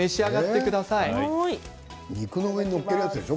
肉の上に載っけるやつでしょ